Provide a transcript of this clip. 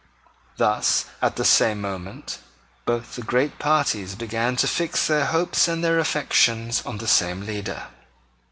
Thus, at the same moment, both the great parties began to fix their hopes and their affections on the same leader.